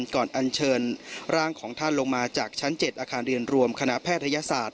อันเชิญร่างของท่านลงมาจากชั้น๗อาคารเรียนรวมคณะแพทยศาสตร์